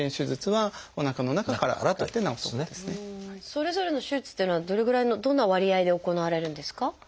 それぞれの手術というのはどれぐらいのどんな割合で行われるんですか？